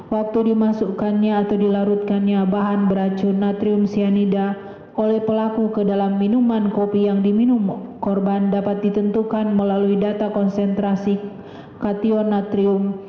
waktu dimasukkannya atau dilarutkannya bahan beracun natrium cyanida oleh pelaku ke dalam minuman kopi yang diminum korban dapat ditentukan melalui data konsentrasi kationatrium